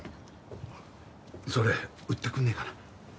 それ売ってくんねえかな？